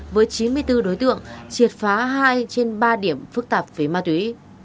với chín mươi bốn đối tượng triệt phá hai trên ba điểm phức tạp về ma túy